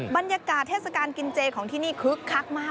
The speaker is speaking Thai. บรรยากาศเทศกาลกินเจของที่นี่คึกคักมาก